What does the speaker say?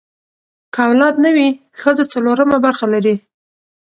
که اولاد نه وي، ښځه څلورمه برخه لري.